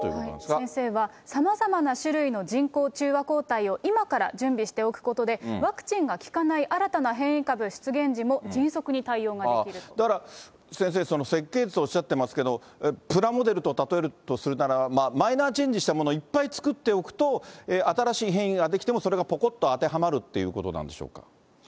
先生は、さまざまな種類の人工中和抗体を今から準備しておくことで、ワクチンが効かない新たな変異株出現時も迅速に対応がでだから、先生、設計図とおっしゃっていますけれども、プラモデルと例えるとするならば、マイナーチェンジしたものをいっぱい作っておくと、新しい変異が出来ても、それがぽこっと当てはまるということなんでしょうか。